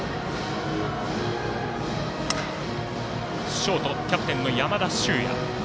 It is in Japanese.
ショート、キャプテン山田脩也。